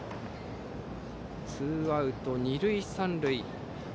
ツーアウト二塁三塁。